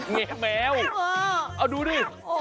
เงียวเอาดูดิ